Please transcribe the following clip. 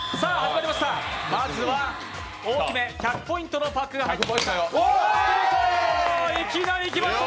まずは大きめ、１００ポイントのパックが入ってきました。